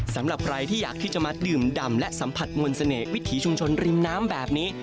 สำหรับใครที่อยากที่จะมาดื่มดำและสัมผัสมนต์เสน่ห์วิถีชุมชนริมน้ำแบบนี้